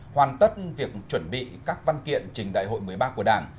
hoàn tất việc chuẩn bị các văn kiện trình đại hội một mươi ba của đảng